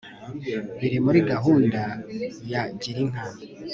biri muri gahunda ya girinka